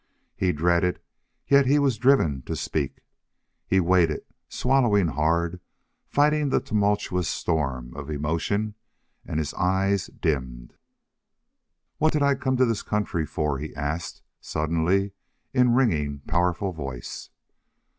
He dreaded, yet he was driven to speak. He waited, swallowing hard, fighting the tumultuous storm of emotion, and his eyes dimmed. "What did I come to this country for?" he asked, suddenly, in ringing, powerful voice.